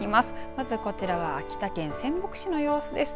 まずこちらは秋田県仙北市の様子です。